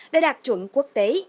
đã đạt chuẩn quốc tế